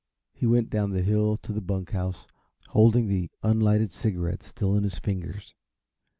He went down the hill to the bunk house, holding the unlighted cigarette still in his fingers.